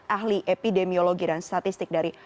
ahli epidemiologi dan statistik dari